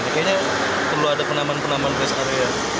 kayaknya perlu ada penaman penaman rest area